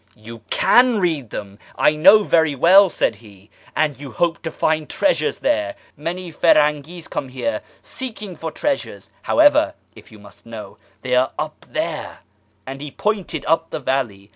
" You can read them, I know very well," said he, " and you hope to find treasures there ; many Firangis come here seeking for treasures. However, if you must know, they are up there," and he pointed up the valley.